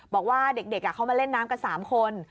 บอกว่าเด็กเขามาเล่นน้ำกัน๓คน